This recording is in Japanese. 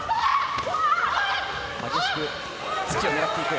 激しく突きを狙っていく。